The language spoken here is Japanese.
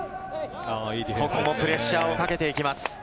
ここもプレッシャーをかけていきます。